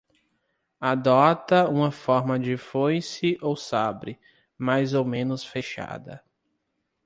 Adota uma forma de foice ou sabre, mais ou menos fechada.